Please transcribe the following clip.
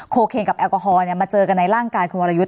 เคนกับแอลกอฮอล์มาเจอกันในร่างกายคุณวรยุทธ์